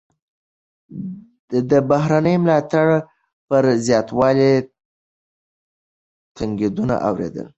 ده د بهرني ملاتړ پر زیاتوالي تنقیدونه اوریدلي.